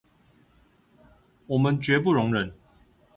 我們絕不容忍